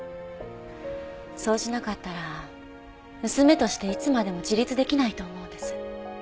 そうしなかったら娘としていつまでも自立出来ないと思うんです。